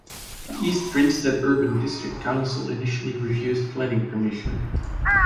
The East Grinstead Urban District Council initially refused planning permission.